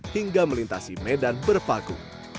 hingga melintasi medan berpaku